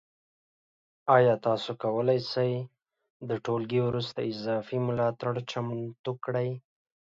ایا تاسو کولی شئ د ټولګي وروسته اضافي ملاتړ چمتو کړئ؟